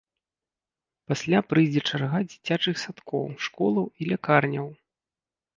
Пасля прыйдзе чарга дзіцячых садкоў, школаў і лякарняў.